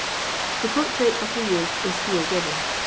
The portrait of the youth is here given.